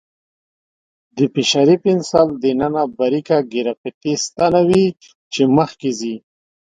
د فشاري پنسل دننه باریکه ګرافیتي ستنه وي چې مخکې ځي.